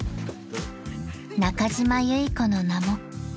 ［中島由依子の名も］